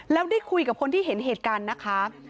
แล้วได้คุยกับคนที่เห็นเหตุการณ์นะคะ